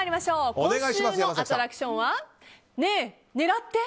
今週のアトラクションはねえ、狙って！